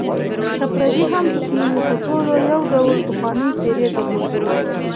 که پردي هم پکې وې، خو ټولو یو ډول پخوانۍ څېرې درلودې.